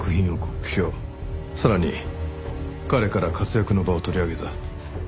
さらに彼から活躍の場を取り上げた。